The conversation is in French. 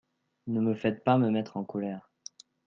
Ne me faites pas me mettre en colère.